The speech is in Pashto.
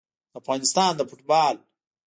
د افغانستان د فوټبال